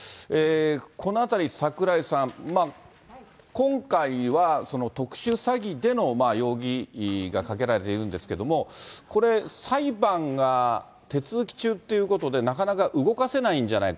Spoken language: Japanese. このあたり、櫻井さん、今回は特殊詐欺での容疑がかけられているんですけれども、これ、裁判が手続き中ということで、なかなか動かせないんじゃないか。